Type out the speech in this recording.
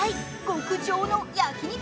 極上の焼肉